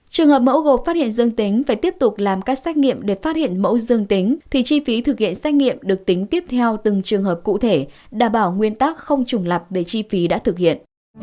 trường hợp mẫu gộp phát hiện dương tính phải tiếp tục làm các xét nghiệm để phát hiện mẫu dương tính thì chi phí thực hiện xét nghiệm được tính tiếp theo từng trường hợp cụ thể đảm bảo nguyên tắc không trùng lập về chi phí đã thực hiện